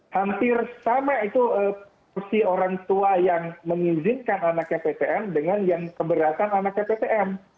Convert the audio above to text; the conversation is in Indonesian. hampir sama itu kursi orang tua yang mengizinkan anaknya ptm dengan yang keberatan anaknya ptm